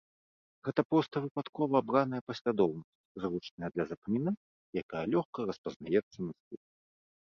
Гэта проста выпадкова абраная паслядоўнасць, зручная для запамінання, якая лёгка распазнаецца на слых.